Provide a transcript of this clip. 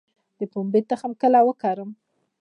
د پنبې تخم کله وکرم؟